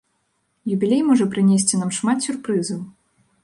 Юбілей можа прынесці нам шмат сюрпрызаў.